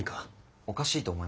おかしいと思いません？